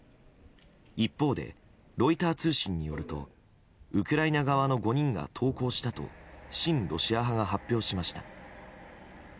一方でロイター通信によるとウクライナ側の５人が投降したと親ロシア派が発表しました。